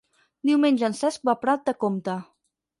Diumenge en Cesc va a Prat de Comte.